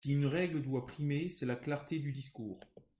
Si une règle doit primer, c’est la clarté du discours.